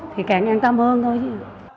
thì càng yên tâm hơn thôi